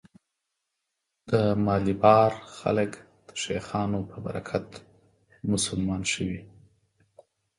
د مالیبار خلک د شیخانو په برکت مسلمان شوي.